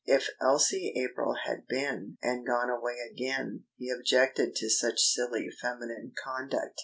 If Elsie April had been and gone away again, he objected to such silly feminine conduct.